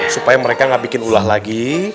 supaya mereka gak bikin ulah lagi